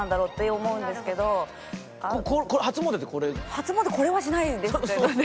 初詣これはしないですね。